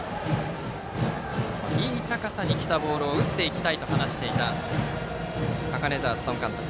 いい高さに来たボールを打っていきたいと話していた高根澤力監督です。